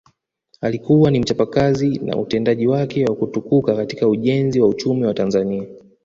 Alikuwa ni mchapakazi na utendaji wake wa kutukuka katika ujenzi wa uchumi wa Tanzania